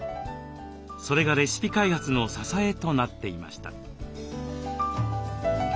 それがレシピ開発の支えとなっていました。